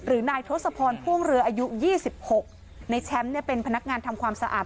นายทศพรพ่วงเรืออายุยี่สิบหกในแชมป์เนี่ยเป็นพนักงานทำความสะอาด